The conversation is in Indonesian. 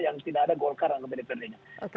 yang tidak ada golkar anggota dprd nya